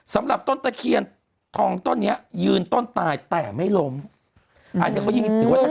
สำหรับต้นตะเคียนทองต้นเนี้ยยืนต้นตายแต่ไม่ล้มอันนี้เขายิ่งถือว่า